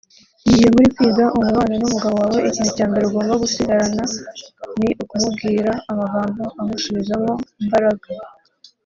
Mu gihe muri kwiga umubano n’umugabo wawe ikintu cya mbere ugomba gusigarana ni ukumubwira amagambo amusubizamo imbaraga